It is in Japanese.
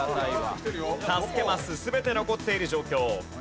助けマス全て残っている状況。